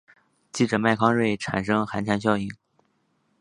记者麦康瑞产生寒蝉效应。